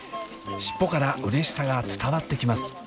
尻尾からうれしさが伝わってきます。